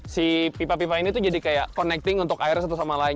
si pipa pipa ini tuh jadi kayak connecting untuk air satu sama lain